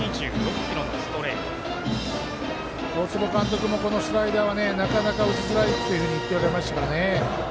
大坪監督も、このスライダーはなかなか打ちづらいと言ってましたね。